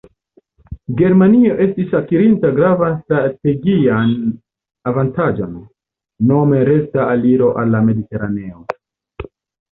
Germanio estis akirinta gravan strategian avantaĝon: nome rekta aliro al la Mediteraneo.